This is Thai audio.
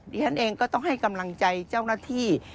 ฉันเองก็ต้องให้กำลังใจเจ้าหน้าที่